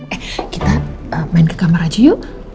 eh kita main ke kamar aja yuk